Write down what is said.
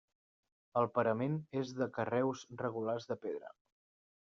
El parament és de carreus regulars de pedra.